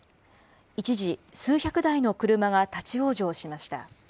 一時、数百台の車が立往生しました。